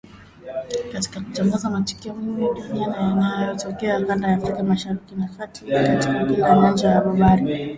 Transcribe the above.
katika kutangaza matukio muhimu ya dunia na yanayotokea kanda ya Afrika Mashariki na Kati, katika kila nyanja ya habari.